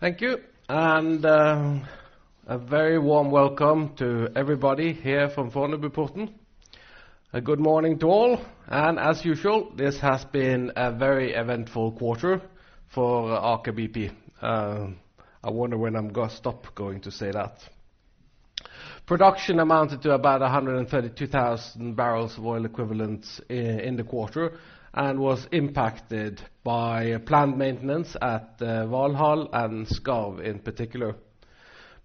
Thank you. A very warm welcome to everybody here from Fornebuporten. A good morning to all. As usual, this has been a very eventful quarter for Aker BP. I wonder when I'm going to stop saying that. Production amounted to about 132,000 barrels of oil equivalent in the quarter and was impacted by plant maintenance at Valhall and Skarv in particular.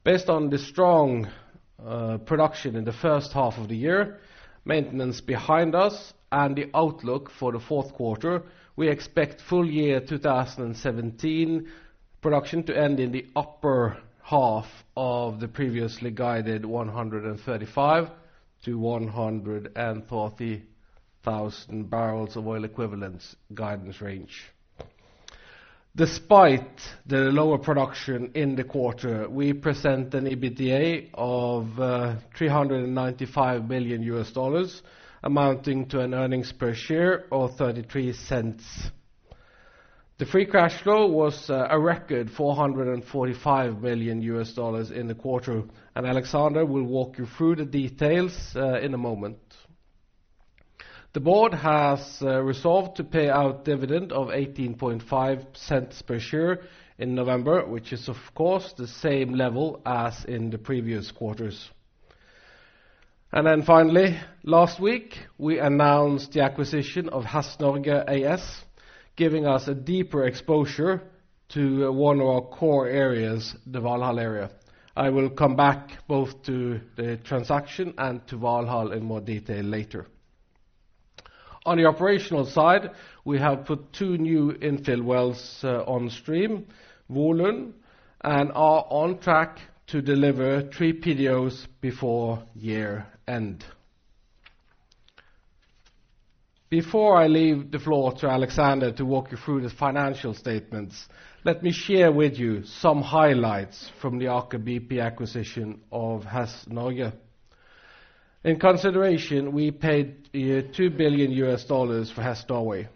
Based on the strong production in the first half of the year, maintenance behind us, and the outlook for the fourth quarter, we expect full year 2017 production to end in the upper half of the previously guided 135,000 to 140,000 barrels of oil equivalents guidance range. Despite the lower production in the quarter, we present an EBITDA of $395 million, amounting to an earnings per share of $0.33. The free cash flow was a record $445 million in the quarter. Alexander will walk you through the details in a moment. The board has resolved to pay out dividend of $0.185 per share in November, which is of course the same level as in the previous quarters. Finally, last week, we announced the acquisition of Hess Norge AS, giving us a deeper exposure to one of our core areas, the Valhall area. I will come back both to the transaction and to Valhall in more detail later. On the operational side, we have put two new infill wells on stream, Volund, and are on track to deliver three PDOs before year-end. Before I leave the floor to Alexander to walk you through the financial statements, let me share with you some highlights from the Aker BP acquisition of Hess Norge. In consideration, we paid $2 billion for Hess Norway.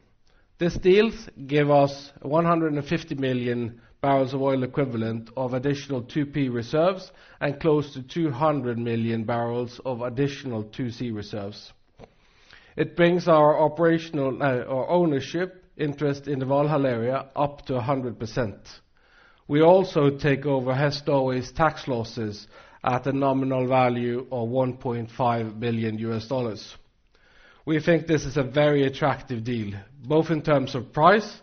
This deal gives us 150 million barrels of oil equivalent of additional 2P reserves and close to 200 million barrels of additional 2C reserves. It brings our ownership interest in the Valhall area up to 100%. We also take over Hess Norway's tax losses at a nominal value of $1.5 billion. We think this is a very attractive deal, both in terms of price,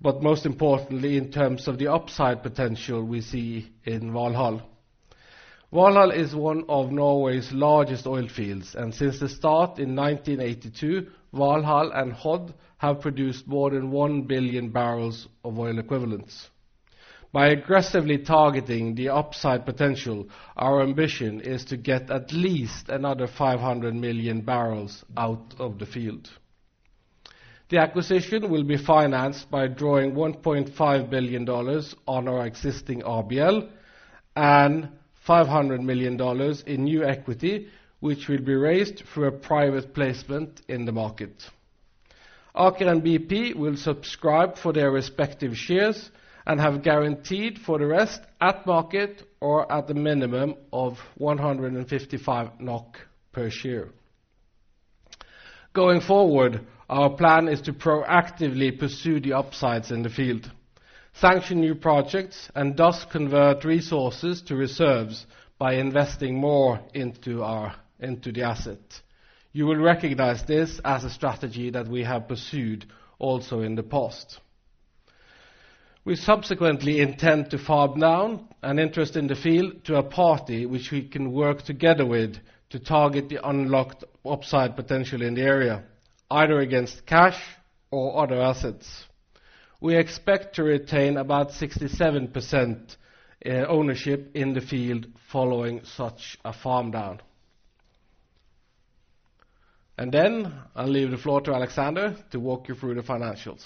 but most importantly in terms of the upside potential we see in Valhall. Valhall is one of Norway's largest oil fields. Since the start in 1982, Valhall and Hod have produced more than 1 billion barrels of oil equivalents. By aggressively targeting the upside potential, our ambition is to get at least another 500 million barrels out of the field. The acquisition will be financed by drawing $1.5 billion on our existing RBL and $500 million in new equity, which will be raised through a private placement in the market. Aker and BP will subscribe for their respective shares and have guaranteed for the rest at market or at the minimum of 155 NOK per share. Going forward, our plan is to proactively pursue the upsides in the field, sanction new projects, and thus convert resources to reserves by investing more into the asset. You will recognize this as a strategy that we have pursued also in the past. We subsequently intend to farm down an interest in the field to a party which we can work together with to target the unlocked upside potential in the area, either against cash or other assets. We expect to retain about 67% ownership in the field following such a farm down. I'll leave the floor to Alexander to walk you through the financials.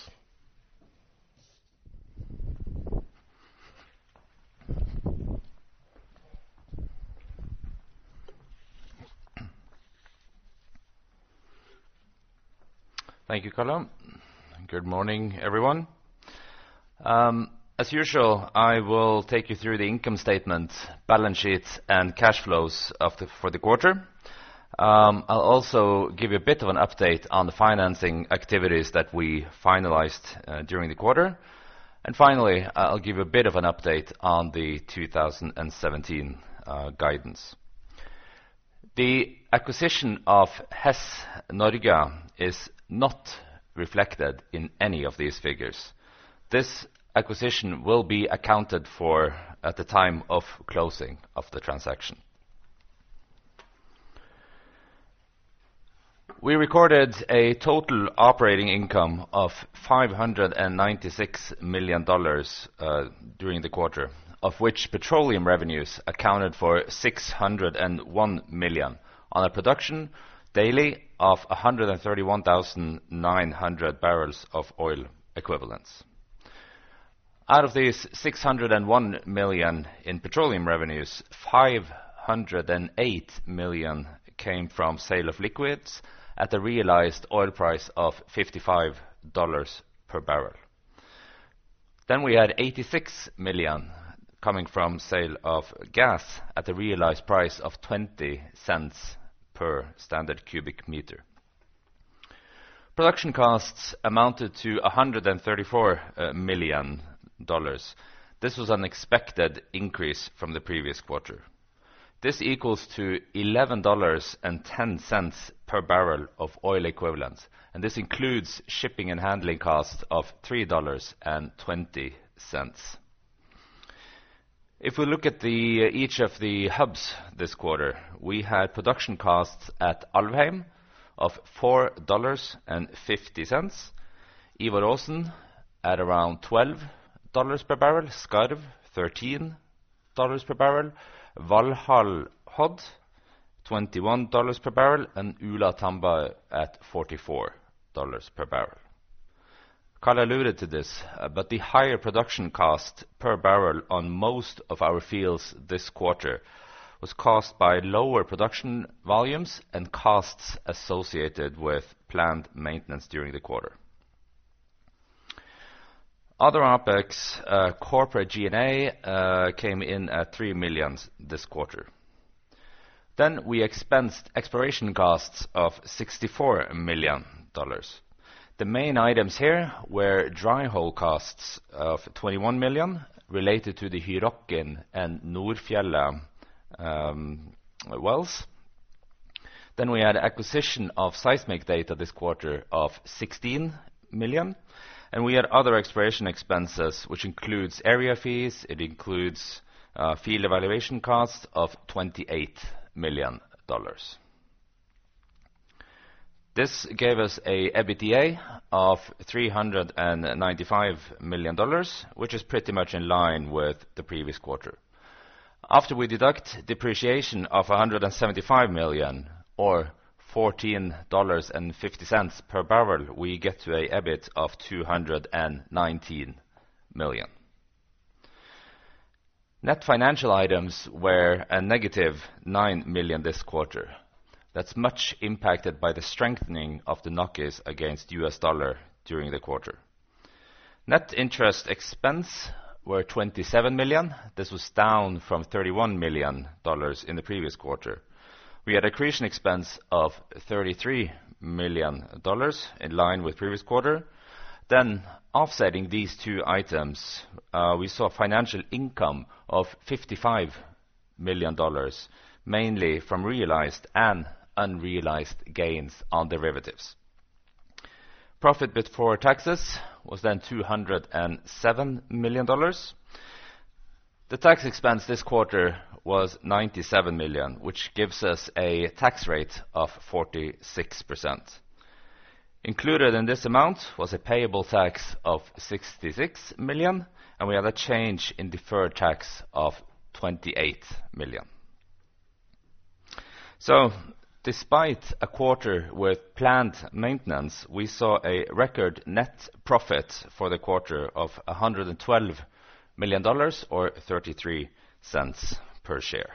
Thank you, Karl. Good morning, everyone. As usual, I will take you through the income statement, balance sheets, and cash flows for the quarter. I'll also give you a bit of an update on the financing activities that we finalized during the quarter. Finally, I'll give a bit of an update on the 2017 guidance. The acquisition of Hess Norge is not reflected in any of these figures. This acquisition will be accounted for at the time of closing of the transaction. We recorded a total operating income of $596 million during the quarter, of which petroleum revenues accounted for $601 million on a production daily of 131,900 barrels of oil equivalents. Out of these $601 million in petroleum revenues, $508 million came from sale of liquids at a realized oil price of $55 per barrel. We had $86 million coming from sale of gas at a realized price of $0.20 per standard cubic meter. Production costs amounted to $134 million. This was an expected increase from the previous quarter. This equals to $11.10 per barrel of oil equivalent, and this includes shipping and handling costs of $3.20. If we look at each of the hubs this quarter, we had production costs at Alvheim of $4.50, Ivar Aasen at around $12 per barrel, Skarv, $13 per barrel, Valhall/Hod, $21 per barrel, and Ula/Tambar at $44 per barrel. Karl alluded to this, the higher production cost per barrel on most of our fields this quarter was caused by lower production volumes and costs associated with planned maintenance during the quarter. Other OpEx, corporate G&A came in at $3 million this quarter. We expensed exploration costs of $64 million. The main items here were dry hole costs of $21 million related to the Hurokken and Nordfjellet wells. We had acquisition of seismic data this quarter of $16 million, we had other exploration expenses, which includes area fees, it includes field evaluation costs of $28 million. This gave us an EBITDA of $395 million, which is pretty much in line with the previous quarter. After we deduct depreciation of $175 million or $14.50 per barrel, we get to an EBIT of $219 million. Net financial items were a negative $9 million this quarter. That's much impacted by the strengthening of the NOK against US dollar during the quarter. Net interest expense were $27 million. This was down from $31 million in the previous quarter. We had accretion expense of $33 million, in line with previous quarter. Offsetting these two items, we saw financial income of $55 million, mainly from realized and unrealized gains on derivatives. Profit before taxes was $207 million. The tax expense this quarter was $97 million, which gives us a tax rate of 46%. Included in this amount was a payable tax of $66 million, and we had a change in deferred tax of $28 million. Despite a quarter with planned maintenance, we saw a record net profit for the quarter of $112 million, or $0.33 per share.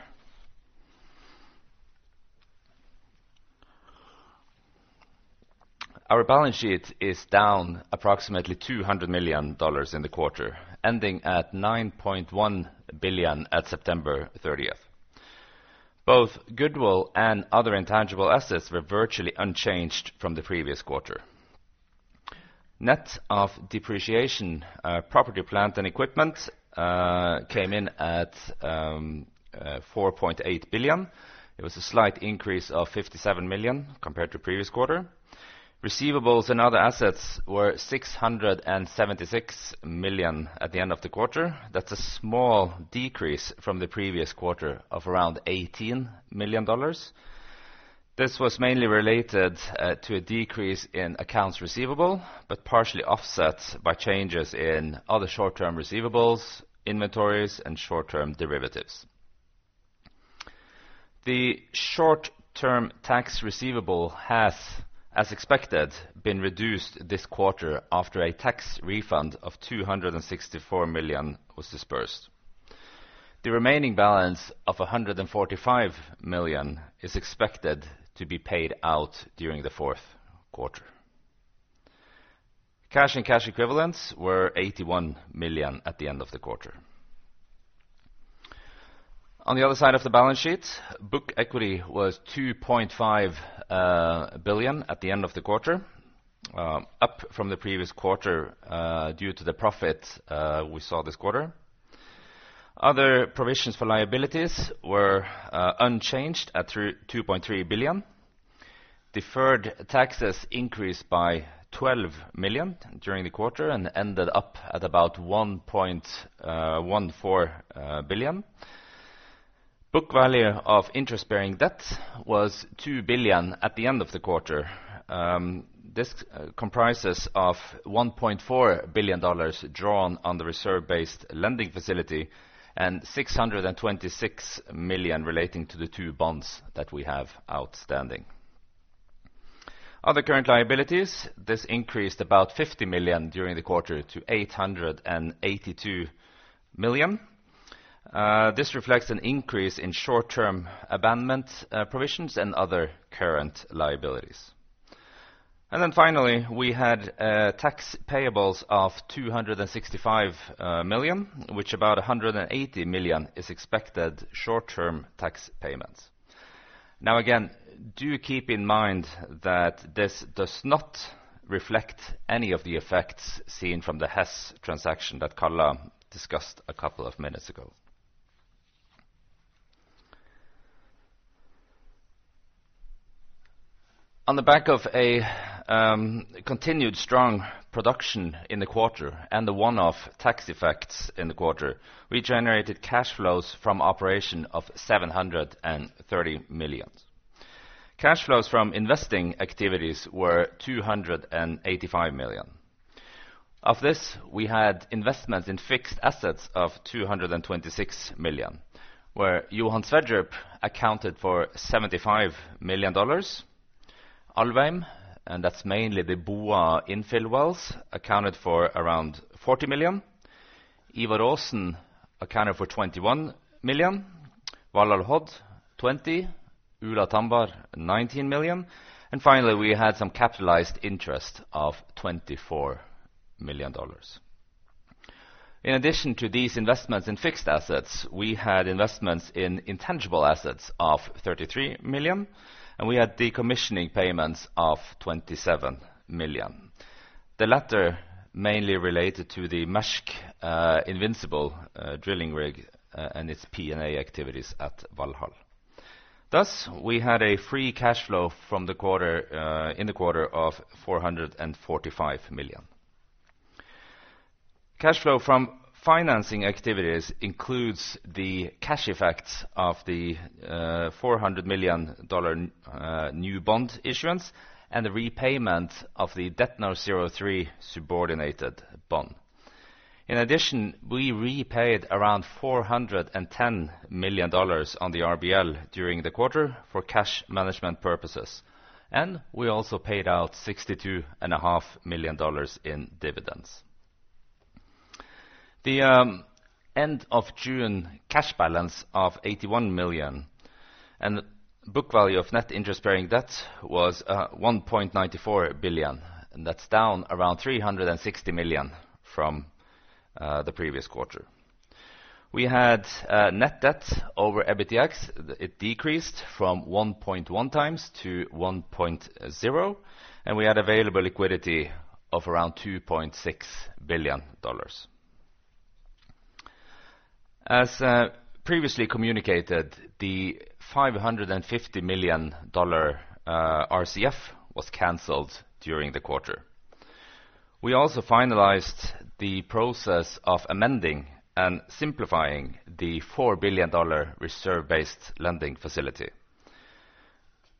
Our balance sheet is down approximately $200 million in the quarter, ending at $9.1 billion at September 30th. Both goodwill and other intangible assets were virtually unchanged from the previous quarter. Net of depreciation, property, plant, and equipment came in at $4.8 billion. It was a slight increase of $57 million compared to previous quarter. Receivables and other assets were $676 million at the end of the quarter. That's a small decrease from the previous quarter of around $18 million. This was mainly related to a decrease in accounts receivable, but partially offset by changes in other short-term receivables, inventories, and short-term derivatives. The short-term tax receivable has, as expected, been reduced this quarter after a tax refund of $264 million was disbursed. The remaining balance of $145 million is expected to be paid out during the fourth quarter. Cash and cash equivalents were $81 million at the end of the quarter. On the other side of the balance sheet, book equity was $2.5 billion at the end of the quarter, up from the previous quarter due to the profit we saw this quarter. Other provisions for liabilities were unchanged at $2.3 billion. Deferred taxes increased by $12 million during the quarter and ended up at about $1.14 billion. Book value of interest-bearing debt was $2 billion at the end of the quarter. This comprises of $1.4 billion drawn on the reserve-based lending facility and $626 million relating to the two bonds that we have outstanding. Other current liabilities, this increased about $50 million during the quarter to $882 million. This reflects an increase in short-term abandonment provisions and other current liabilities. Finally, we had tax payables of $265 million, which about $180 million is expected short-term tax payments. Again, do keep in mind that this does not reflect any of the effects seen from the Hess transaction that Karl discussed a couple of minutes ago. On the back of a continued strong production in the quarter and the one-off tax effects in the quarter, we generated cash flows from operation of $730 million. Cash flows from investing activities were $285 million. Of this, we had investments in fixed assets of $226 million, where Johan Sverdrup accounted for $75 million. Alvheim, and that's mainly the Boa infill wells, accounted for around $40 million. Ivar Aasen accounted for $21 million, Valhall/Hod $20 million, Ula/Tambar $19 million, and finally, we had some capitalized interest of $24 million. In addition to these investments in fixed assets, we had investments in intangible assets of $33 million, and we had decommissioning payments of $27 million. The latter mainly related to the Maersk Invincible drilling rig and its P&A activities at Valhall. Thus, we had a free cash flow in the quarter of $445 million. Cash flow from financing activities includes the cash effects of the $400 million new bond issuance and the repayment of the DETNOR03 subordinated bond. In addition, we repaid around $410 million on the RBL during the quarter for cash management purposes, and we also paid out $62.5 million in dividends. The end of June cash balance of $81 million, and the book value of net interest-bearing debt was $1.94 billion, and that is down around $360 million from the previous quarter. We had net debt over EBITDAX. It decreased from 1.1 times to 1.0, and we had available liquidity of around $2.6 billion. As previously communicated, the $550 million RCF was canceled during the quarter. We also finalized the process of amending and simplifying the $4 billion reserve-based lending facility.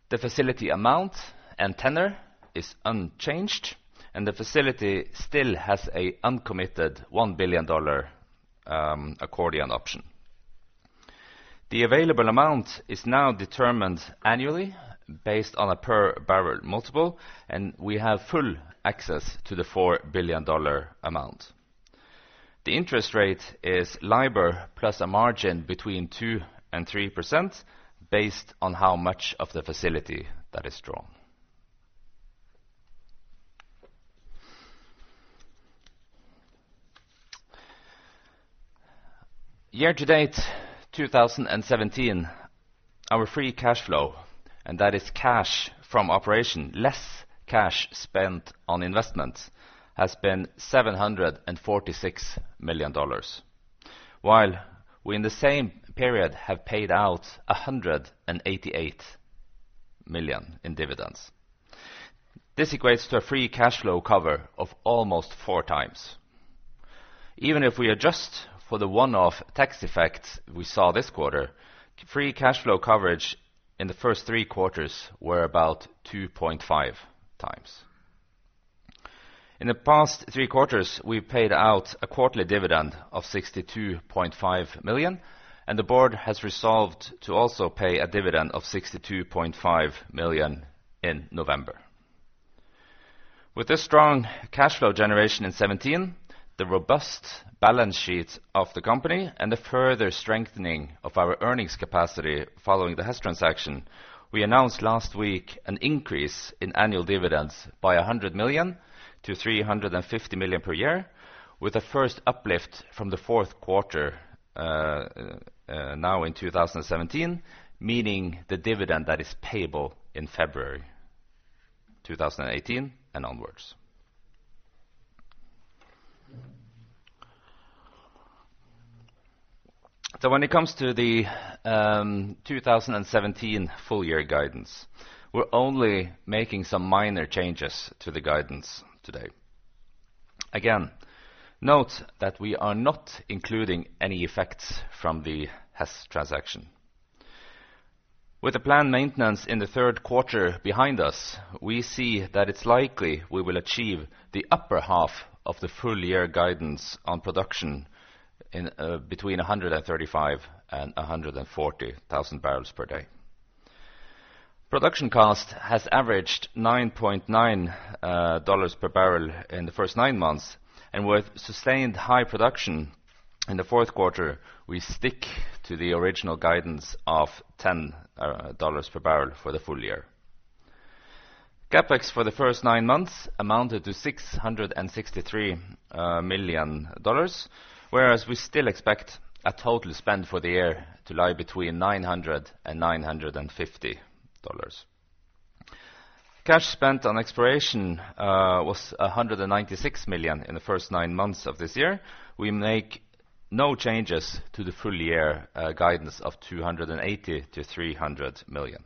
The facility amount and tenor is unchanged, and the facility still has an uncommitted $1 billion accordion option. The available amount is now determined annually based on a per-barrel multiple, and we have full access to the $4 billion amount. The interest rate is LIBOR plus a margin between 2% and 3% based on how much of the facility that is drawn. Year-to-date 2017, our free cash flow, and that is cash from operation, less cash spent on investments, has been $746 million, while we, in the same period, have paid out $188 million in dividends. This equates to a free cash flow cover of almost four times. Even if we adjust for the one-off tax effect we saw this quarter, free cash flow coverage in the first three quarters were about 2.5 times. In the past three quarters, we paid out a quarterly dividend of $62.5 million, and the board has resolved to also pay a dividend of $62.5 million in November. With this strong cash flow generation in 2017, the robust balance sheet of the company, and the further strengthening of our earnings capacity following the Hess transaction, we announced last week an increase in annual dividends by $100 million to $350 million per year, with the first uplift from the fourth quarter now in 2017, meaning the dividend that is payable in February 2018 and onwards. When it comes to the 2017 full-year guidance, we are only making some minor changes to the guidance today. Again, note that we are not including any effects from the Hess transaction. With the planned maintenance in the third quarter behind us, we see that it is likely we will achieve the upper half of the full-year guidance on production in between 135,000 and 140,000 barrels per day. Production cost has averaged $9.90 per barrel in the first nine months, and with sustained high production in the fourth quarter, we stick to the original guidance of $10 per barrel for the full year. CapEx for the first nine months amounted to $663 million, whereas we still expect a total spend for the year to lie between $900 million and $950 million. Cash spent on exploration was $196 million in the first nine months of this year. We make no changes to the full-year guidance of $280 million to $300 million.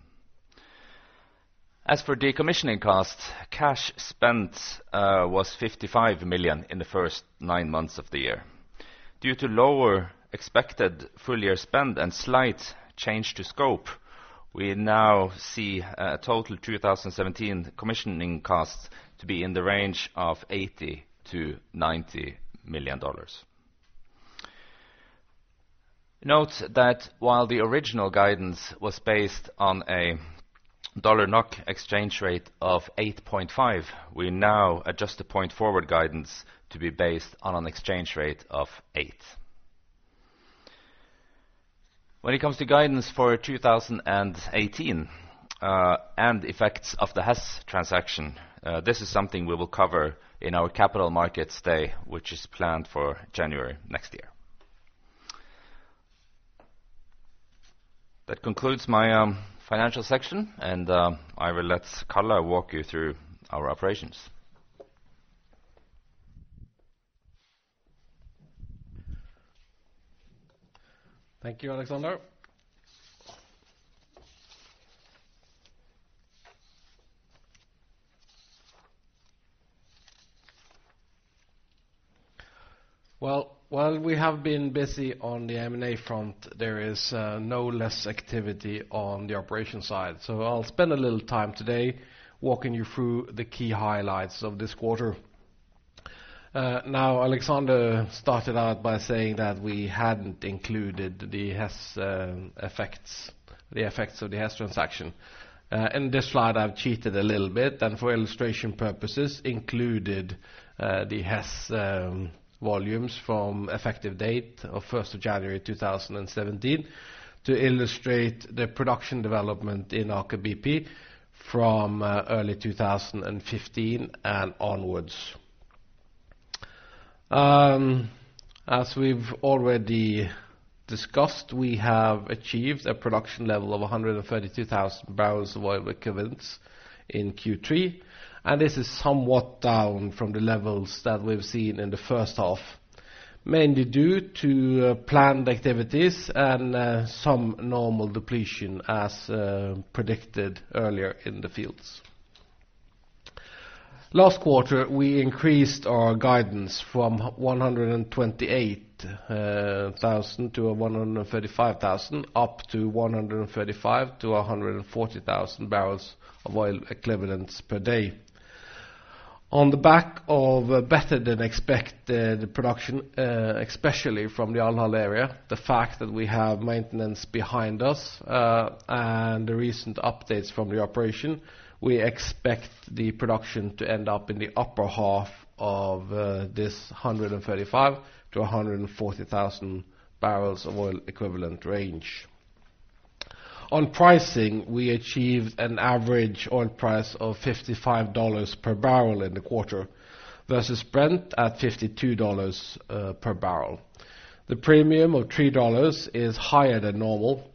As for decommissioning costs, cash spent was $55 million in the first nine months of the year. Due to lower expected full-year spend and slight change to scope, we now see a total 2017 commissioning cost to be in the range of $80 million to $90 million. Note that while the original guidance was based on a dollar NOK exchange rate of 8.5, we now adjust the point forward guidance to be based on an exchange rate of eight. When it comes to guidance for 2018 and effects of the Hess transaction, this is something we will cover in our capital markets day, which is planned for January next year. That concludes my financial section, and I will let Calle walk you through our operations. Thank you, Alexander. While we have been busy on the M&A front, there is no less activity on the operations side. I'll spend a little time today walking you through the key highlights of this quarter. Alexander started out by saying that we hadn't included the effects of the Hess transaction. In this slide, I've cheated a little bit and for illustration purposes included the Hess volumes from effective date of 1st of January 2017 to illustrate the production development in Aker BP from early 2015 and onwards. As we've already discussed, we have achieved a production level of 132,000 barrels of oil equivalents in Q3. This is somewhat down from the levels that we've seen in the first half, mainly due to planned activities and some normal depletion as predicted earlier in the fields. Last quarter, we increased our guidance from 128,000-135,000 up to 135,000-140,000 barrels of oil equivalents per day. On the back of better-than-expected production, especially from the Valhall area, the fact that we have maintenance behind us and the recent updates from the operation, we expect the production to end up in the upper half of this 135,000-140,000 barrels of oil equivalent range. On pricing, we achieved an average oil price of $55 per barrel in the quarter versus Brent at $52 per barrel. The premium of $3 is higher than normal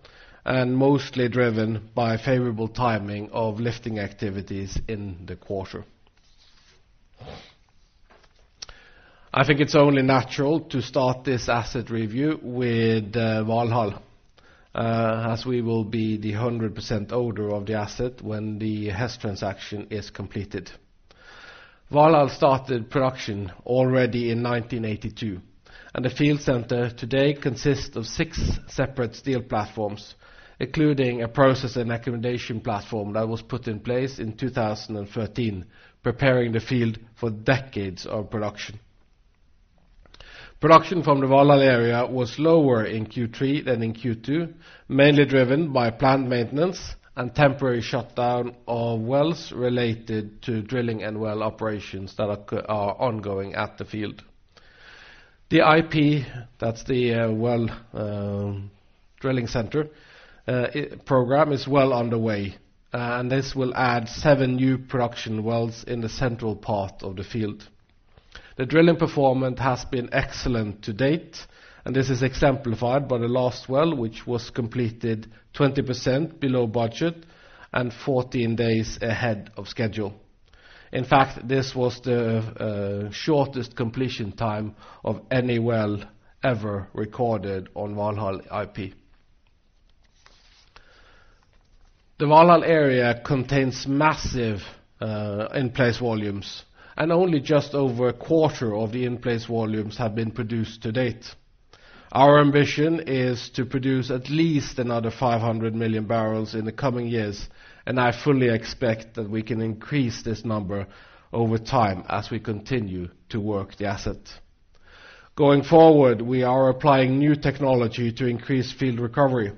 and mostly driven by favorable timing of lifting activities in the quarter. I think it's only natural to start this asset review with Valhall, as we will be the 100% owner of the asset when the Hess transaction is completed. Valhall started production already in 1982. The field center today consists of six separate steel platforms, including a process and accommodation platform that was put in place in 2013, preparing the field for decades of production. Production from the Valhall area was lower in Q3 than in Q2, mainly driven by plant maintenance and temporary shutdown of wells related to drilling and well operations that are ongoing at the field. The IP, that's the well drilling center program, is well underway. This will add seven new production wells in the central part of the field. The drilling performance has been excellent to date. This is exemplified by the last well, which was completed 20% below budget and 14 days ahead of schedule. In fact, this was the shortest completion time of any well ever recorded on Valhall IP. The Valhall area contains massive in-place volumes, only just over a quarter of the in-place volumes have been produced to date. Our ambition is to produce at least another 500 million barrels in the coming years, I fully expect that we can increase this number over time as we continue to work the asset. Going forward, we are applying new technology to increase field recovery.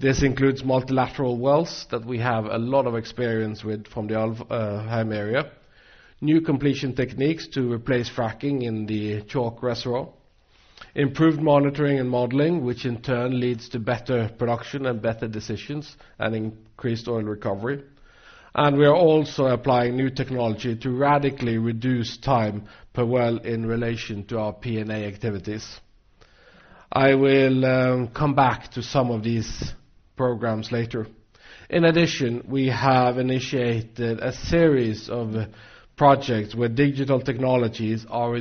This includes multilateral wells that we have a lot of experience with from the Alvheim area, new completion techniques to replace fracking in the Chalk reservoir, improved monitoring and modeling, which in turn leads to better production and better decisions and increased oil recovery. We are also applying new technology to radically reduce time per well in relation to our P&A activities. I will come back to some of these programs later. In addition, we have initiated a series of projects where digital technologies are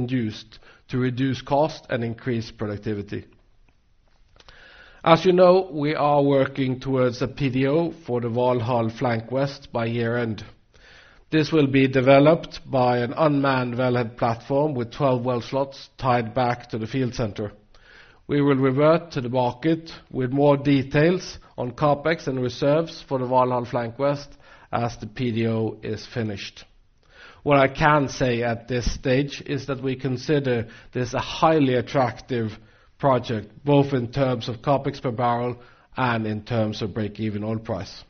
induced to reduce cost and increase productivity. As you know, we are working towards a PDO for the Valhall Flank West by year-end. This will be developed by an unmanned wellhead platform with 12 well slots tied back to the field center. We will revert to the market with more details on CapEx and reserves for the Valhall Flank West as the PDO is finished. What I can say at this stage is that we consider this a highly attractive project, both in terms of CapEx per barrel and in terms of break-even oil price.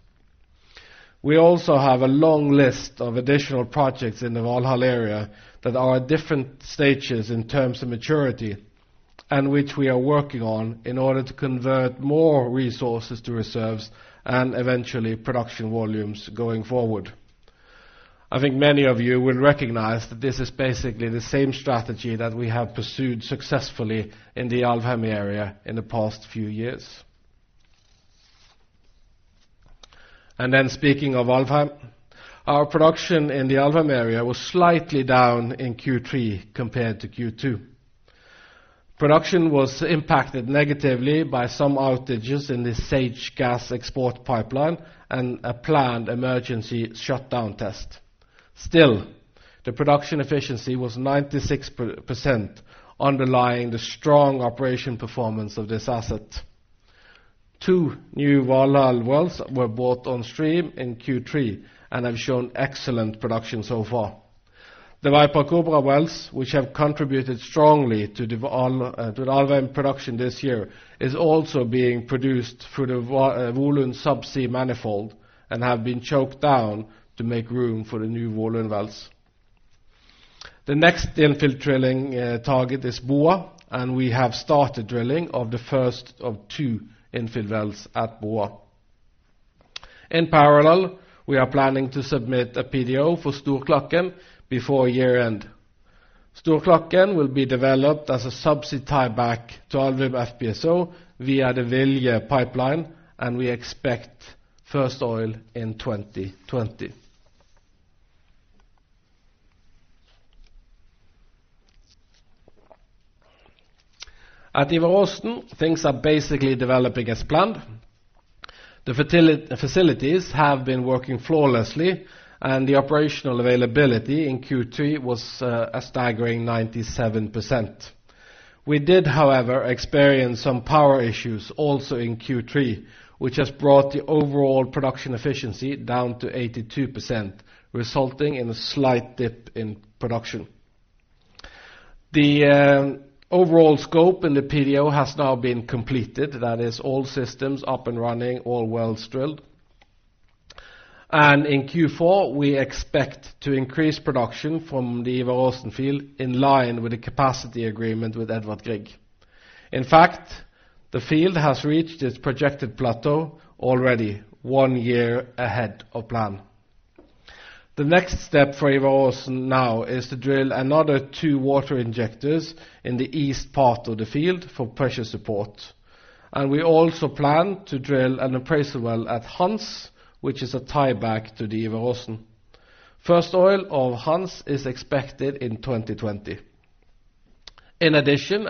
We also have a long list of additional projects in the Valhall area that are at different stages in terms of maturity and which we are working on in order to convert more resources to reserves and eventually production volumes going forward. I think many of you will recognize that this is basically the same strategy that we have pursued successfully in the Alvheim area in the past few years. Speaking of Alvheim, our production in the Alvheim area was slightly down in Q3 compared to Q2. Production was impacted negatively by some outages in the SAGE gas export pipeline and a planned emergency shutdown test. Still, the production efficiency was 96%, underlying the strong operation performance of this asset. Two new Valhall wells were brought on stream in Q3 and have shown excellent production so far. The Viper-Kobra wells, which have contributed strongly to the Alvheim production this year, is also being produced through the Volund subsea manifold and have been choked down to make room for the new Volund wells. The next infill drilling target is Boa, we have started drilling of the first of two infill wells at Boa. In parallel, we are planning to submit a PDO for Storklakken before year-end. Storklakken will be developed as a subsea tieback to Alvheim FPSO via the Vilje pipeline, we expect first oil in 2020. At Ivar Aasen, things are basically developing as planned. The facilities have been working flawlessly, the operational availability in Q3 was a staggering 97%. We did, however, experience some power issues also in Q3, which has brought the overall production efficiency down to 82%, resulting in a slight dip in production. The overall scope in the PDO has now been completed. That is all systems up and running, all wells drilled. In Q4, we expect to increase production from the Ivar Aasen field in line with the capacity agreement with Edvard Grieg. In fact, the field has reached its projected plateau already one year ahead of plan. The next step for Ivar Aasen now is to drill another two water injectors in the east part of the field for pressure support. We also plan to drill an appraisal well at Hans, which is a tie-back to the Ivar Aasen. First oil of Hans is expected in 2020. In addition,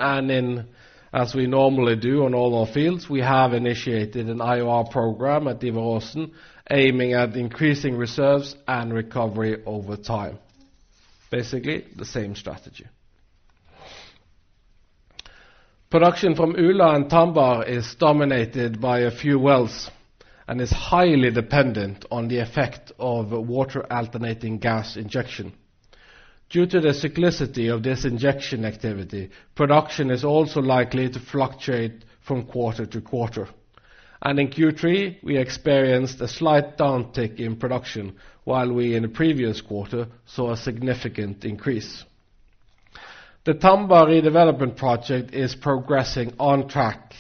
as we normally do on all our fields, we have initiated an IOR program at Ivar Aasen aiming at increasing reserves and recovery over time. Basically, the same strategy. Production from Ula and Tambar is dominated by a few wells and is highly dependent on the effect of water alternating gas injection. Due to the cyclicity of this injection activity, production is also likely to fluctuate from quarter to quarter. In Q3, we experienced a slight downtick in production while we in the previous quarter saw a significant increase. The Tambar redevelopment project is progressing on track,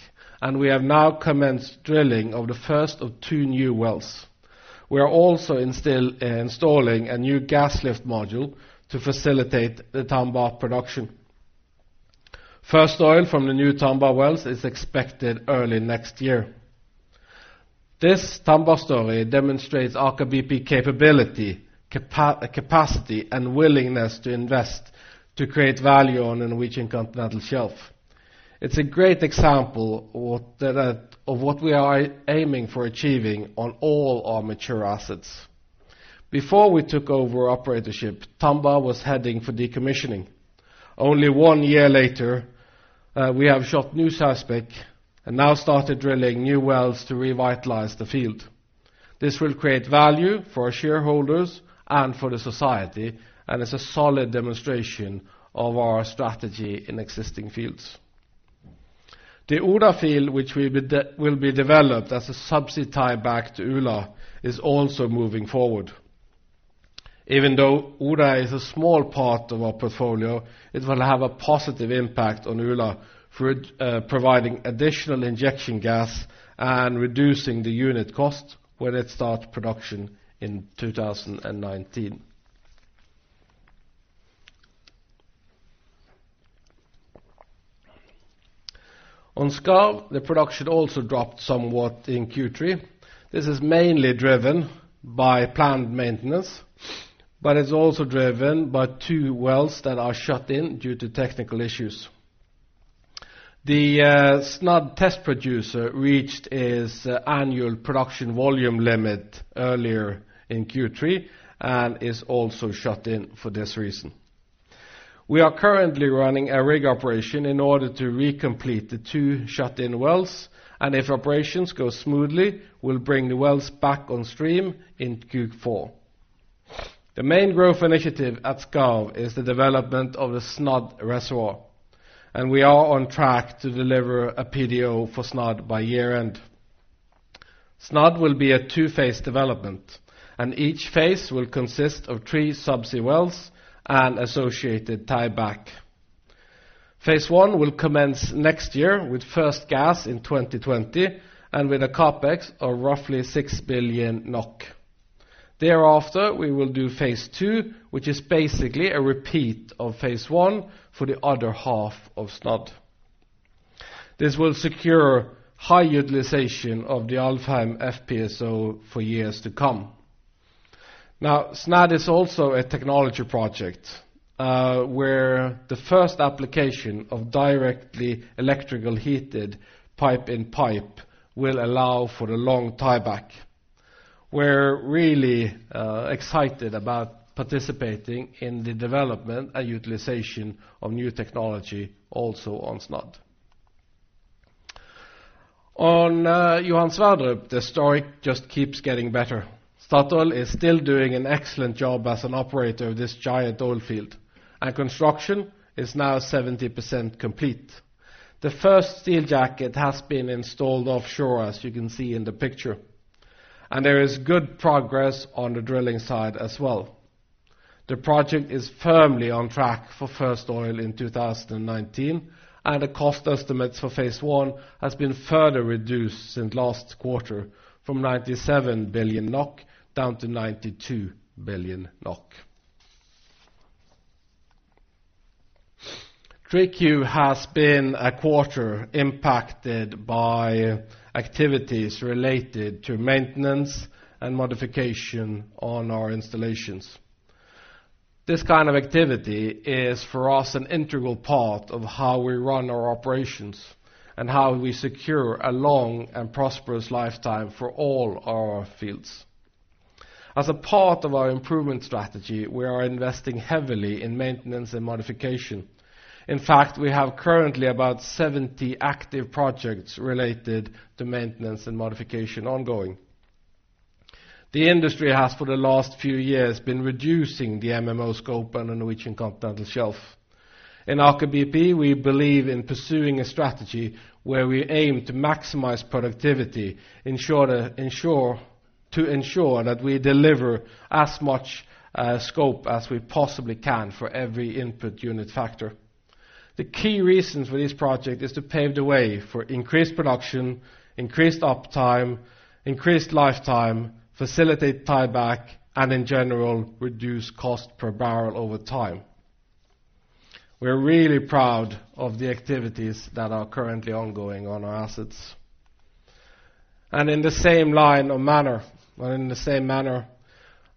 we have now commenced drilling of the first of two new wells. We are also installing a new gas lift module to facilitate the Tambar production. First oil from the new Tambar wells is expected early next year. This Tambar story demonstrates Aker BP capability, capacity, and willingness to invest to create value on the Norwegian Continental Shelf. It's a great example of what we are aiming for achieving on all our mature assets. Before we took over operatorship, Tambar was heading for decommissioning. Only one year later, we have shot new seismic and now started drilling new wells to revitalize the field. This will create value for our shareholders and for the society, and it's a solid demonstration of our strategy in existing fields. The Ula field, which will be developed as a subsea tieback to Ula, is also moving forward. Even though Ula is a small part of our portfolio, it will have a positive impact on Ula for providing additional injection gas and reducing the unit cost when it starts production in 2019. Skarv, the production also dropped somewhat in Q3. This is mainly driven by plant maintenance, but it's also driven by two wells that are shut in due to technical issues. The Snadd test producer reached its annual production volume limit earlier in Q3 and is also shut in for this reason. We are currently running a rig operation in order to re-complete the two shut-in wells, and if operations go smoothly, we'll bring the wells back on stream in Q4. The main growth initiative at Skarv is the development of the Snadd reservoir, we are on track to deliver a PDO for Snadd by year-end. Snadd will be a two-phase development, each phase will consist of three subsea wells and associated tieback. Phase one will commence next year with first gas in 2020, with a CapEx of roughly 6 billion NOK. Thereafter, we will do phase two, which is basically a repeat of phase one for the other half of Snadd. This will secure high utilization of the Alvheim FPSO for years to come. Snadd is also a technology project, where the first application of directly electrical heated pipe in pipe will allow for the long tieback. We're really excited about participating in the development and utilization of new technology also on Snadd. On Johan Sverdrup, the story just keeps getting better. Statoil is still doing an excellent job as an operator of this giant oil field, and construction is now 70% complete. The first steel jacket has been installed offshore, as you can see in the picture, and there is good progress on the drilling site as well. The project is firmly on track for first oil in 2019, and the cost estimates for phase one has been further reduced since last quarter from 97 billion NOK down to 92 billion NOK. 3Q has been a quarter impacted by activities related to maintenance and modification on our installations. This kind of activity is, for us, an integral part of how we run our operations and how we secure a long and prosperous lifetime for all our fields. As a part of our improvement strategy, we are investing heavily in maintenance and modification. In fact, we have currently about 70 active projects related to maintenance and modification ongoing. The industry has, for the last few years, been reducing the MMO scope on the Norwegian continental shelf. In Aker BP, we believe in pursuing a strategy where we aim to maximize productivity to ensure that we deliver as much scope as we possibly can for every input unit factor. The key reasons for this project is to pave the way for increased production, increased uptime, increased lifetime, facilitate tieback, and in general, reduce cost per barrel over time. We're really proud of the activities that are currently ongoing on our assets. In the same manner,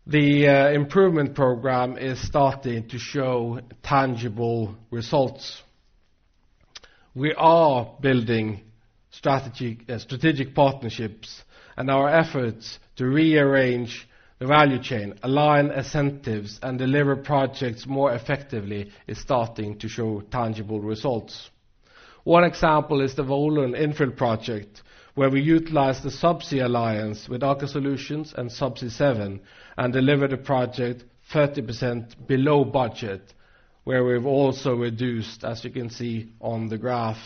the improvement program is starting to show tangible results. We are building strategic partnerships and our efforts to rearrange the value chain, align incentives, and deliver projects more effectively is starting to show tangible results. One example is the Volund infill project, where we utilize the subsea alliance with Aker Solutions and Subsea 7 and deliver the project 30% below budget, where we've also reduced, as you can see on the graph,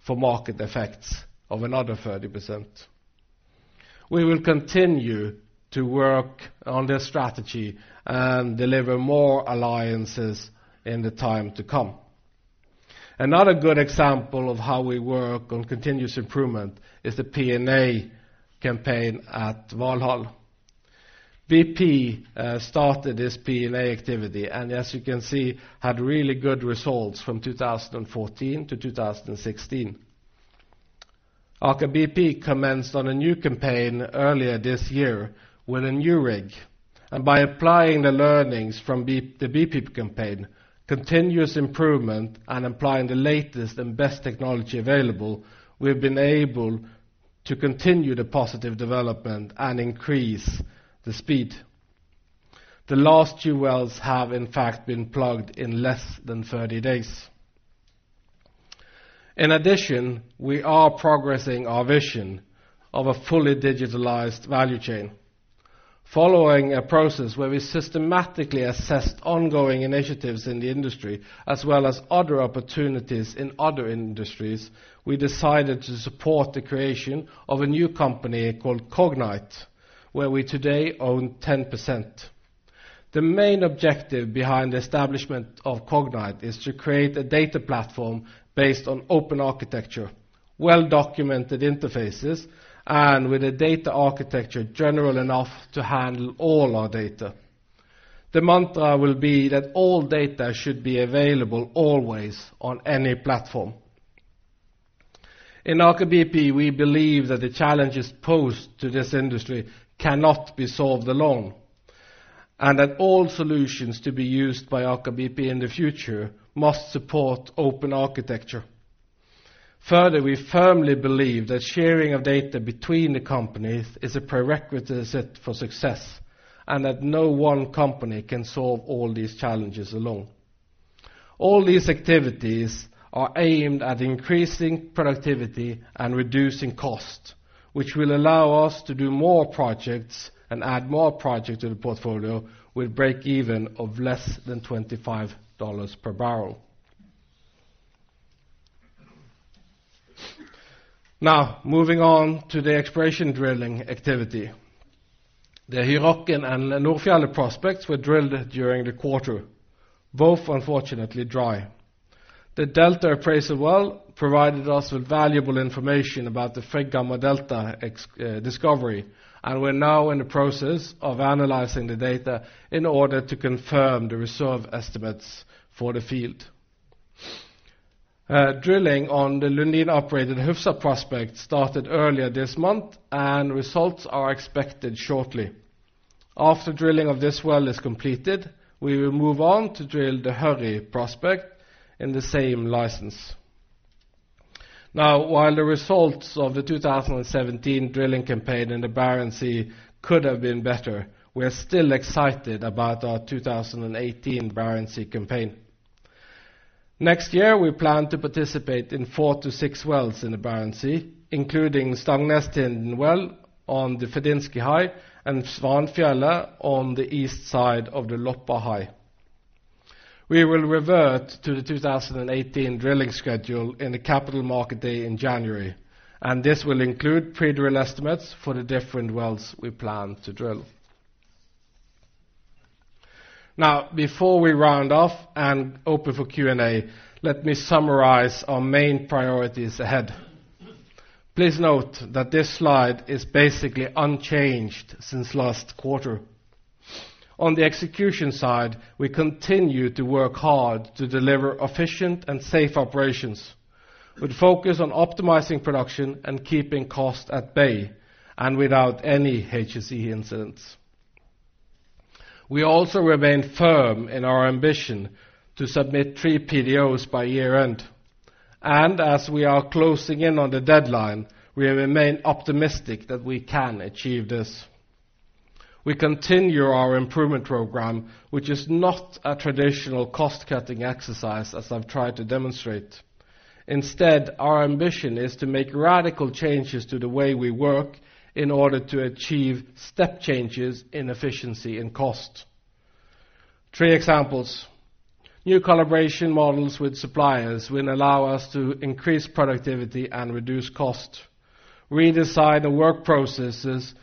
for market effects of another 30%. We will continue to work on this strategy and deliver more alliances in the time to come. Another good example of how we work on continuous improvement is the P&A campaign at Valhall. BP started this P&A activity, as you can see, had really good results from 2014 to 2016. Aker BP commenced on a new campaign earlier this year with a new rig. By applying the learnings from the BP campaign, continuous improvement, and applying the latest and best technology available, we've been able to continue the positive development and increase the speed. The last two wells have in fact been plugged in less than 30 days. In addition, we are progressing our vision of a fully digitalized value chain. Following a process where we systematically assessed ongoing initiatives in the industry, as well as other opportunities in other industries, we decided to support the creation of a new company called Cognite, where we today own 10%. The main objective behind the establishment of Cognite is to create a data platform based on open architecture, well-documented interfaces, and with a data architecture general enough to handle all our data. The mantra will be that all data should be available always on any platform. In Aker BP, we believe that the challenges posed to this industry cannot be solved alone, and that all solutions to be used by Aker BP in the future must support open architecture. Further, we firmly believe that sharing of data between the companies is a prerequisite for success, and that no one company can solve all these challenges alone. All these activities are aimed at increasing productivity and reducing cost, which will allow us to do more projects and add more projects to the portfolio with break even of less than $25 per barrel. Moving on to the exploration drilling activity. The Hurokken and the Nordfjellet prospects were drilled during the quarter, both unfortunately dry. The Delta appraisal well provided us with valuable information about the Frigg Gamma Delta discovery, and we are now in the process of analyzing the data in order to confirm the reserve estimates for the field. Drilling on the Lundin-operated Hufsa prospect started earlier this month, and results are expected shortly. After drilling of this well is completed, we will move on to drill the Hurri prospect in the same license. While the results of the 2017 drilling campaign in the Barents Sea could have been better, we are still excited about our 2018 Barents Sea campaign. Next year, we plan to participate in four to six wells in the Barents Sea, including Stagnestinden well on the Fedinsky High and Svanefjell on the east side of the Loppa High. We will revert to the 2018 drilling schedule in the capital market day in January, and this will include pre-drill estimates for the different wells we plan to drill. Before we round off and open for Q&A, let me summarize our main priorities ahead. Please note that this slide is basically unchanged since last quarter. On the execution side, we continue to work hard to deliver efficient and safe operations with focus on optimizing production and keeping cost at bay, and without any HSE incidents. We also remain firm in our ambition to submit three PDOs by year-end. As we are closing in on the deadline, we remain optimistic that we can achieve this. We continue our improvement program, which is not a traditional cost-cutting exercise as I've tried to demonstrate. Instead, our ambition is to make radical changes to the way we work in order to achieve step changes in efficiency and cost. Three examples. New collaboration models with suppliers will allow us to increase productivity and reduce cost. Redesign the work processes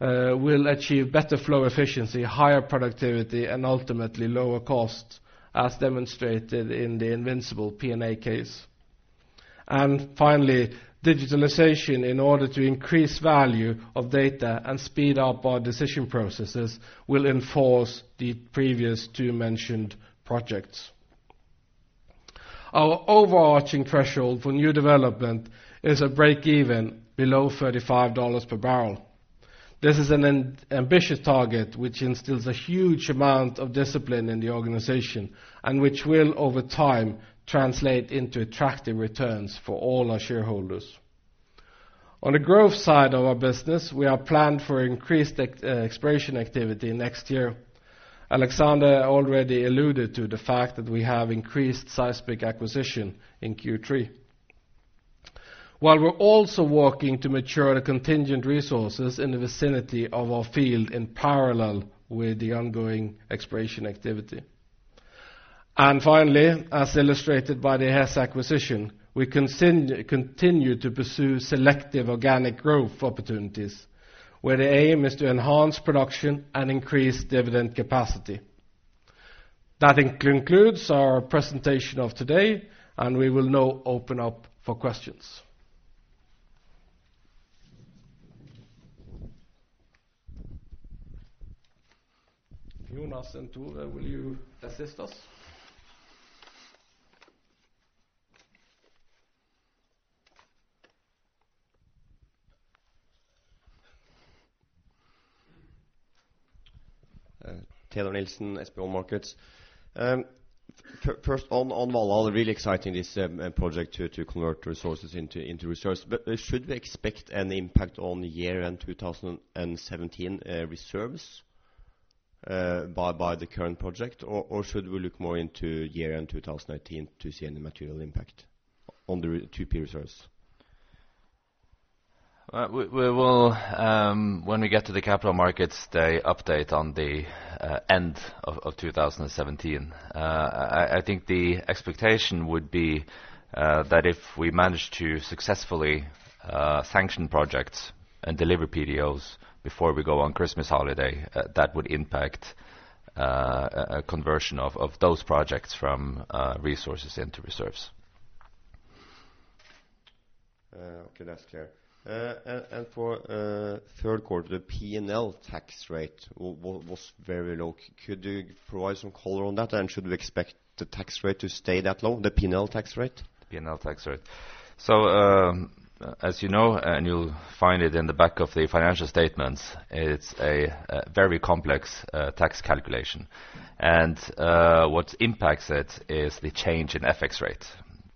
will achieve better flow efficiency, higher productivity, and ultimately lower cost, as demonstrated in the Invincible P&A case. Finally, digitalization in order to increase value of data and speed up our decision processes will enforce the previous two mentioned projects. Our overarching threshold for new development is a break even below $35 per barrel. This is an ambitious target which instills a huge amount of discipline in the organization and which will, over time, translate into attractive returns for all our shareholders. On the growth side of our business, we have planned for increased exploration activity next year. Alexander already alluded to the fact that we have increased seismic acquisition in Q3. While we're also working to mature the contingent resources in the vicinity of our field in parallel with the ongoing exploration activity. Finally, as illustrated by the Hess acquisition, we continue to pursue selective organic growth opportunities, where the aim is to enhance production and increase dividend capacity. That concludes our presentation of today. We will now open up for questions. Jonas and Tore, will you assist us? Teodor Nilsen, SB1 Markets. First on Valhall, really exciting this project to convert resources into reserves. Should we expect any impact on year-end 2017 reserves by the current project, or should we look more into year-end 2019 to see any material impact on the 2P reserves? When we get to the capital markets day update on the end of 2017, I think the expectation would be that if we manage to successfully sanction projects and deliver PDOs before we go on Christmas holiday, that would impact a conversion of those projects from resources into reserves. Okay, that's clear. For third quarter, the P&L tax rate was very low. Could you provide some color on that? Should we expect the tax rate to stay that low? The P&L tax rate. As you know, and you'll find it in the back of the financial statements, it's a very complex tax calculation. What impacts it is the change in FX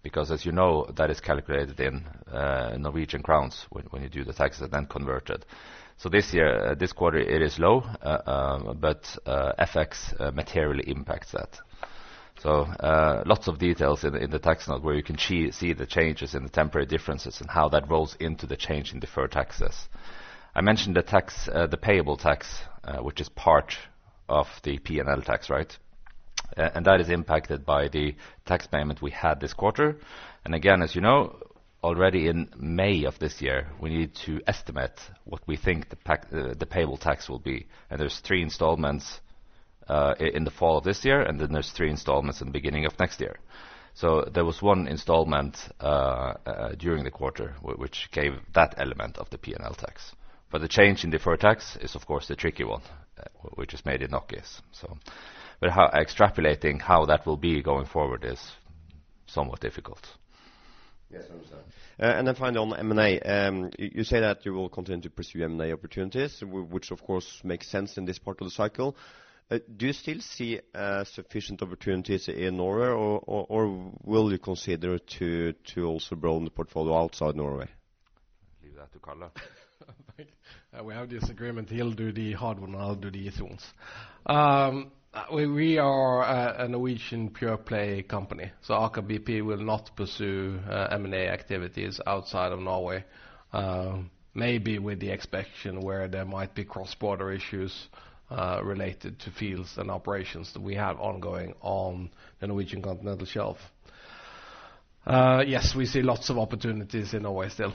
rate. As you know, that is calculated in NOK when you do the taxes, then convert it. This quarter, it is low. FX materially impacts that. Lots of details in the tax note where you can see the changes and the temporary differences and how that rolls into the change in deferred taxes. I mentioned the payable tax, which is part of the P&L tax rate, and that is impacted by the tax payment we had this quarter. Again, as you know, already in May of this year, we need to estimate what we think the payable tax will be, and there's three installments in the fall of this year, and then there's three installments in the beginning of next year. There was one installment during the quarter, which gave that element of the P&L tax. The change in deferred tax is of course the tricky one, which is made in NOK. Extrapolating how that will be going forward is somewhat difficult. Yes, understood. Then finally on M&A. You say that you will continue to pursue M&A opportunities, which of course makes sense in this part of the cycle. Do you still see sufficient opportunities in Norway, or will you consider to also grow the portfolio outside Norway? Leave that to Karl. Thank you. We have this agreement, he'll do the hard one, and I'll do the easy ones. We are a Norwegian pure-play company. Aker BP will not pursue M&A activities outside of Norway. Maybe with the exception where there might be cross-border issues related to fields and operations that we have ongoing on the Norwegian continental shelf. We see lots of opportunities in Norway still.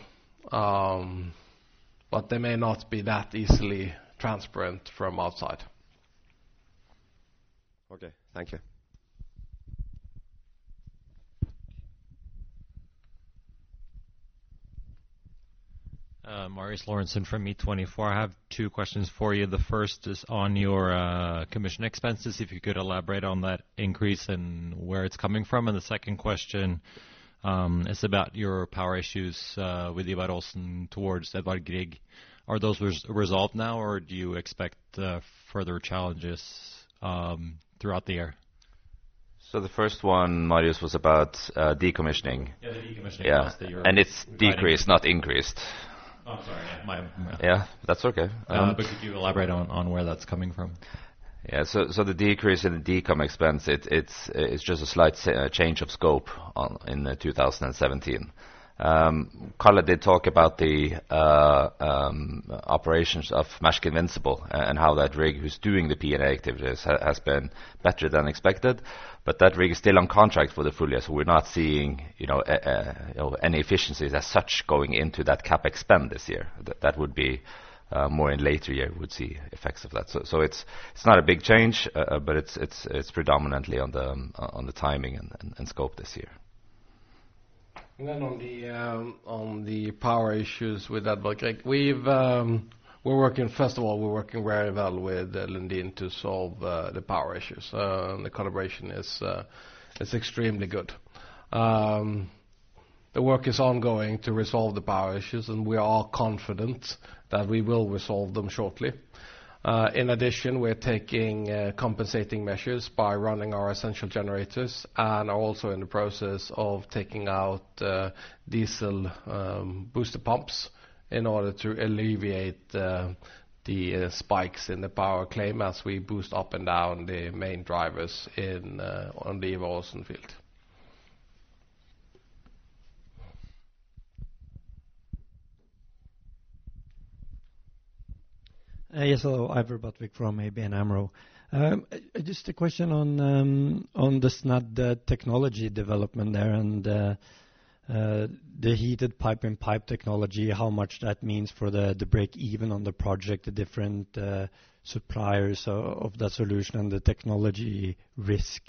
They may not be that easily transparent from outside. Okay. Thank you. Marius Lorentzen from E24. I have two questions for you. The first is on your decommissioning expenses, if you could elaborate on that increase and where it's coming from. The second question is about your power issues with Ivar Aasen towards Edvard Grieg. Are those resolved now, or do you expect further challenges throughout the year? The first one, Marius, was about decommissioning. Yeah, the decommissioning costs that you're- It's decreased, not increased. Oh, I'm sorry. My bad. Yeah. That's okay. Could you elaborate on where that's coming from? The decrease in the decom expense, it's just a slight change of scope in 2017. Karl did talk about the operations of Maersk Invincible and how that rig who's doing the P&A activities has been better than expected. That rig is still on contract for the full year, we're not seeing any efficiencies as such going into that CapEx spend this year. That would be more in later year we'll see effects of that. It's not a big change, but it's predominantly on the timing and scope this year. On the power issues with Edvard Grieg. First of all, we're working very well with Lundin to solve the power issues. The collaboration is extremely good. The work is ongoing to resolve the power issues, we are confident that we will resolve them shortly. In addition, we're taking compensating measures by running our essential generators and are also in the process of taking out diesel booster pumps in order to alleviate the spikes in the power claim as we boost up and down the main drivers on the Ivar Aasen field. Hello. Iver Baatvik from ABN AMRO. Just a question on the Snadd technology development there and the heated pipe-in-pipe technology, how much that means for the breakeven on the project, the different suppliers of that solution and the technology risk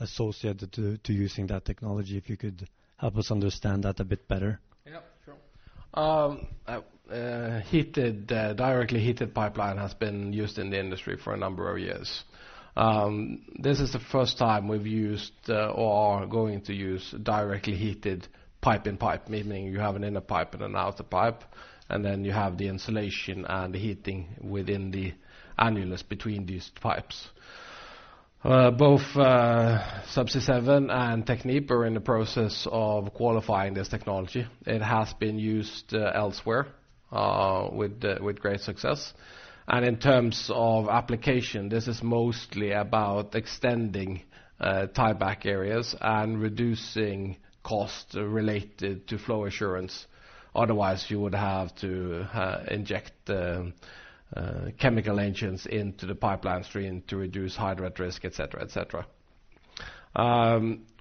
associated to using that technology. If you could help us understand that a bit better. Yeah, sure. Directly heated pipeline has been used in the industry for a number of years. This is the first time we've used or are going to use directly heated pipe-in-pipe, meaning you have an inner pipe and an outer pipe, and then you have the insulation and the heating within the annulus between these pipes. Both Subsea 7 and Technip are in the process of qualifying this technology. It has been used elsewhere with great success. In terms of application, this is mostly about extending tieback areas and reducing cost related to flow assurance. Otherwise, you would have to inject chemical engines] into the pipeline stream to reduce hydrate risk, et cetera.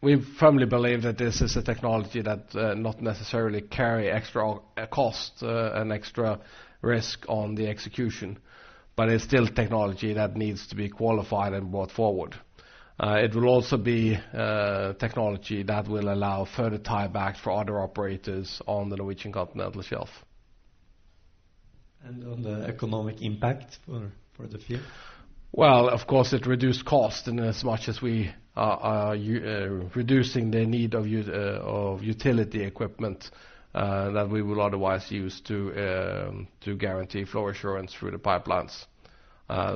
We firmly believe that this is a technology that not necessarily carry extra cost and extra risk on the execution, but it's still technology that needs to be qualified and brought forward. It will also be technology that will allow further tiebacks for other operators on the Norwegian Continental Shelf. On the economic impact for the field? Well, of course it reduced cost in as much as we are reducing the need of utility equipment that we will otherwise use to guarantee flow assurance through the pipelines,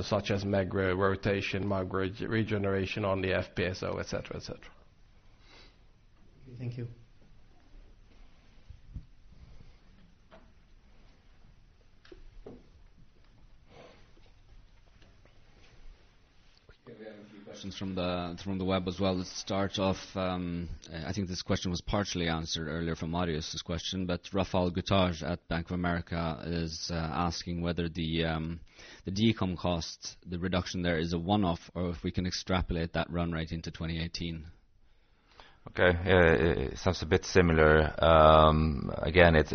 such as MEG rotation, MEG regeneration on the FPSO, et cetera. Okay, thank you. Okay, we have a few questions from the web as well. Let's start off, I think this question was partially answered earlier from Marius's question. Rafael Gutierrez at Bank of America is asking whether the decom cost, the reduction there is a one-off, or if we can extrapolate that run right into 2018. Okay. Yeah, it sounds a bit similar. Again, it's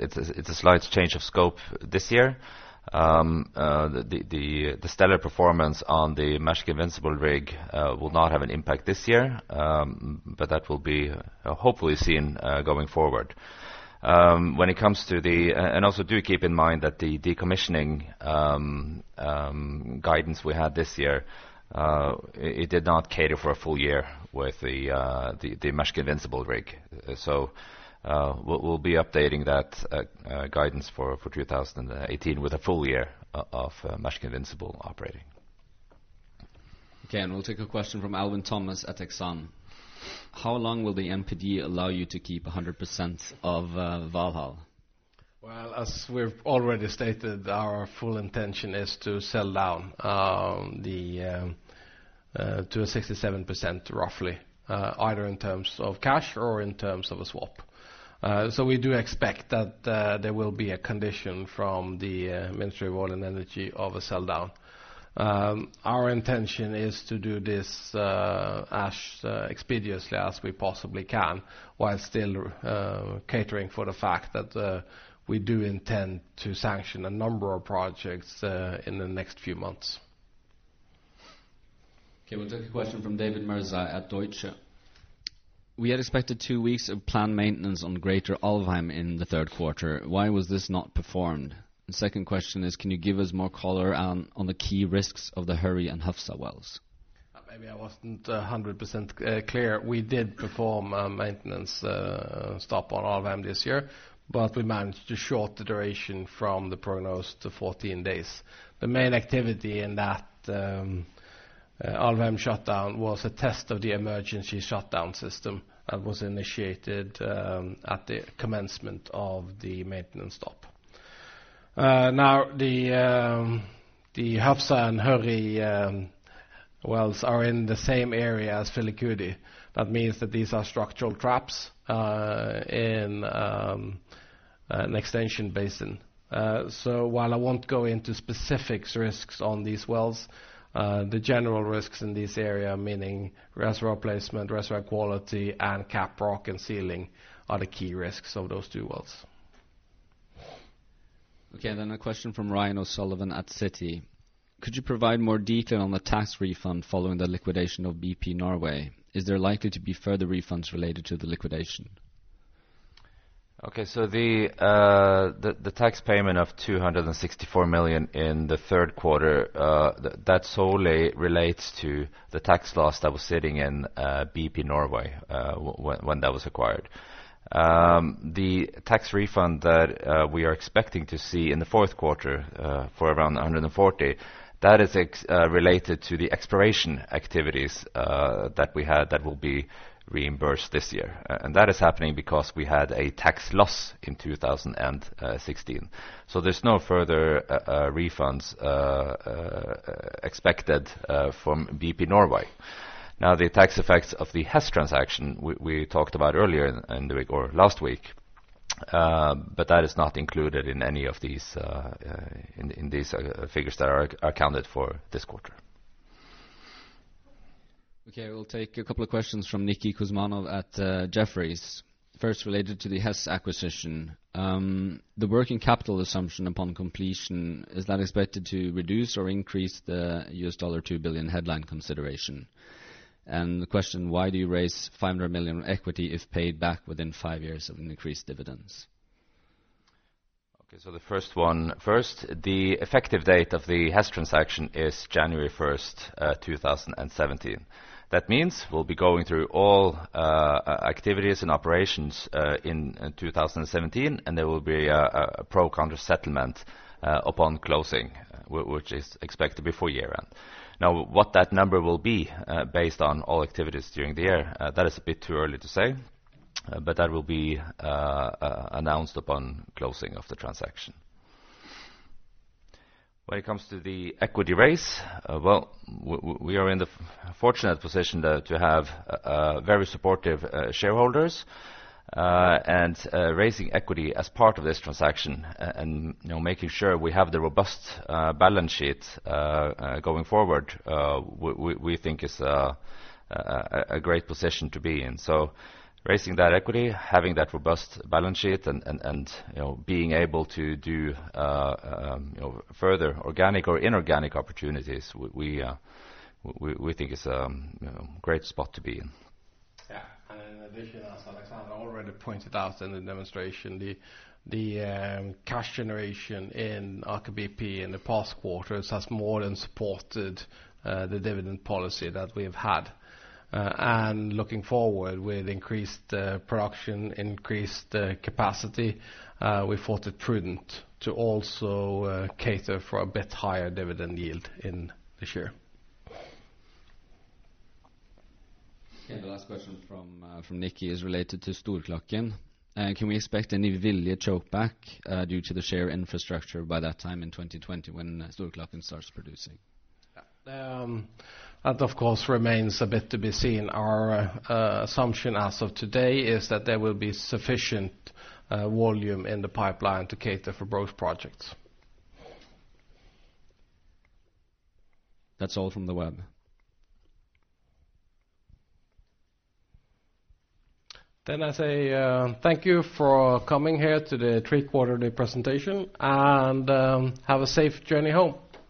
a slight change of scope this year. The stellar performance on the Maersk Invincible rig will not have an impact this year. That will be, hopefully, seen going forward. Also do keep in mind that the decommissioning guidance we had this year, it did not cater for a full year with the Maersk Invincible rig. We'll be updating that guidance for 2018 with a full year of Maersk Invincible operating. Okay. We'll take a question from Alwyn Thomas at Exane. How long will the MPE allow you to keep 100% of Valhall? Well, as we've already stated, our full intention is to sell down to a 67% roughly, either in terms of cash or in terms of a swap. We do expect that there will be a condition from the Ministry of Petroleum and Energy of a sell down. Our intention is to do this as expeditiously as we possibly can while still catering for the fact that we do intend to sanction a number of projects in the next few months. Okay, we'll take a question from David Mirzai at Deutsche Bank. We had expected two weeks of planned maintenance on Greater Alvheim in the third quarter. Why was this not performed? Second question is, can you give us more color on the key risks of the Hurri and Hufsa wells? Maybe I wasn't 100% clear. We did perform a maintenance stop on Alvheim this year, but we managed to short the duration from the prognosis to 14 days. The main activity in that Alvheim shutdown was a test of the emergency shutdown system that was initiated at the commencement of the maintenance stop. Now, the Hufsa and Hurri wells are in the same area as Filicudi. That means that these are structural traps in an extension basin. While I won't go into specific risks on these wells, the general risks in this area, meaning reservoir placement, reservoir quality, and cap rock and sealing are the key risks of those two wells. Okay, a question from Ryan O'Sullivan at Citi. Could you provide more detail on the tax refund following the liquidation of BP Norge? Is there likely to be further refunds related to the liquidation? Okay, the tax payment of 264 million in the third quarter, that solely relates to the tax loss that was sitting in BP Norge when that was acquired. The tax refund that we are expecting to see in the fourth quarter for around 140 million, that is related to the exploration activities that we had that will be reimbursed this year. That is happening because we had a tax loss in 2016. There's no further refunds expected from BP Norge. The tax effects of the Hess transaction, we talked about earlier in the week or last week, but that is not included in these figures that are accounted for this quarter. Okay, we'll take a couple of questions from Nikolas Kuzmanov at Jefferies. First, related to the Hess acquisition. The working capital assumption upon completion, is that expected to reduce or increase the $2 billion headline consideration? The question, why do you raise $500 million equity if paid back within five years of increased dividends? Okay, the first one first. The effective date of the Hess transaction is January 1st, 2017. That means we'll be going through all activities and operations in 2017, and there will be a pro forma settlement upon closing, which is expected before year-end. What that number will be based on all activities during the year, that is a bit too early to say. That will be announced upon closing of the transaction. When it comes to the equity raise, we are in the fortunate position to have very supportive shareholders and raising equity as part of this transaction and making sure we have the robust balance sheet going forward we think is a great position to be in. Raising that equity, having that robust balance sheet and being able to do further organic or inorganic opportunities, we think is a great spot to be in. Yeah. In addition, as Alexander already pointed out in the demonstration, the cash generation in Aker BP in the past quarters has more than supported the dividend policy that we've had. Looking forward with increased production, increased capacity, we thought it prudent to also cater for a bit higher dividend yield in the share. Okay. The last question from Nicky is related to Storklakken. Can we expect any Vilje choke back due to the share infrastructure by that time in 2020 when Storklakken starts producing? That, of course, remains a bit to be seen. Our assumption as of today is that there will be sufficient volume in the pipeline to cater for both projects. That's all from the web. I say thank you for coming here to the three-quarterly presentation, and have a safe journey home.